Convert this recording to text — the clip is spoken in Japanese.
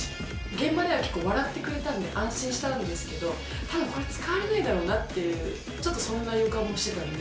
現場では結構笑ってくれたんで安心したんですけど多分これ使われないだろうなっていうちょっとそんな予感もしてたので。